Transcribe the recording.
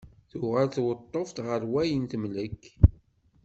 Tuɣal tweṭṭuft ɣer wayen temlek.